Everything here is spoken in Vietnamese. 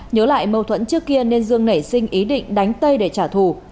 nhớ lại mâu thuẫn trước kia nên dương nảy sinh ý định đánh tây để trả thù